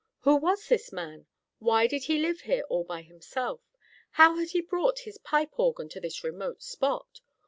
Who was this man? Why did he live here all by himself? How had he brought his pipe organ to this remote spot?